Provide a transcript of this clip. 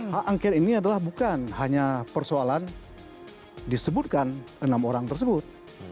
hak angket ini adalah bukan hanya persoalan disebutkan enam orang tersebut